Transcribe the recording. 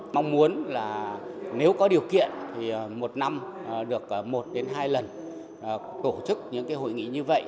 mong muốn là nếu có điều kiện thì một năm được một đến hai lần tổ chức những hội nghị như vậy